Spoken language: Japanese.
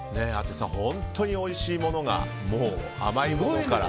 淳さん、本当においしいものが甘いものから。